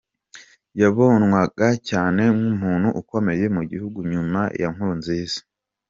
Yabonwaga cyane nk’umuntu ukomeye mu gihugu nyuma ya Nkurunziza.